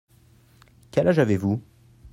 Quel âge avez-vous ?